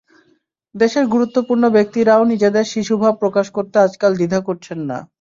দেশের গুরুত্বপূর্ণ ব্যক্তিরাও নিজেদের শিশুভাব প্রকাশ করতে আজকাল দ্বিধা করছেন না।